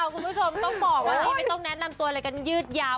คุณผู้ชมต้องบอกว่านี่ไม่ต้องแนะนำตัวอะไรกันยืดยาว